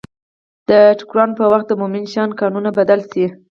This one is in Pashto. د ټکرونو په وخت د موشن قانونونه بدل شي.